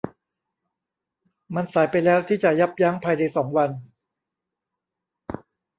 มันสายไปแล้วที่จะยับยั้งภายในสองวัน